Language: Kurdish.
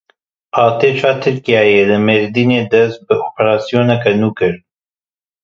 Artêşa Tirkiyeyê li Mêrdînê dest bi operasyoneke nû kir.